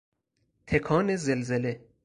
تکان زلزله